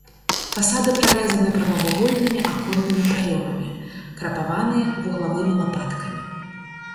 Фасады прарэзаны прамавугольнымі аконнымі праёмамі, крапаваны вуглавымі лапаткамі.